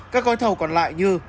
các gói thầu còn lại như